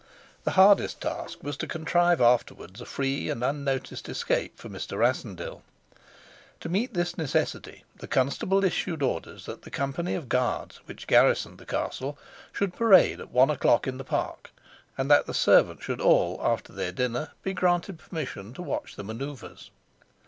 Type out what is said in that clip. The hardest task was to contrive afterwards a free and unnoticed escape for Mr. Rassendyll. To meet this necessity, the constable issued orders that the company of guards which garrisoned the castle should parade at one o'clock in the park, and that the servants should all, after their dinner, be granted permission to watch the manoeuvres.